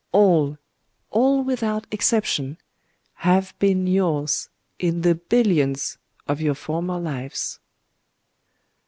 All,—all without exception,—have been yours, in the billions of your former lives."